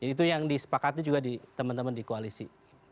itu yang disepakati juga di teman teman di koalisi